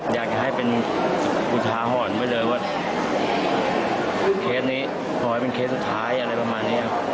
อยากจะให้เป็นอุทาหรณ์ไว้เลยว่าเคสนี้ขอให้เป็นเคสสุดท้ายอะไรประมาณนี้ครับ